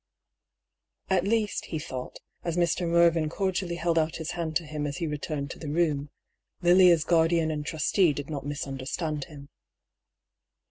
At least, he thought, as Mr. Mervyn cordially held out his hand to him as he returned to the room, Lilia's guardiah and trustee did not misunderstand him.